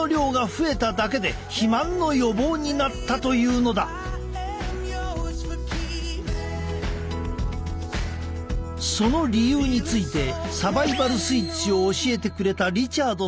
その理由についてサバイバル・スイッチを教えてくれたリチャードさんは。